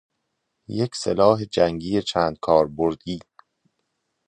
یک سلاح جنگی چندکاربردی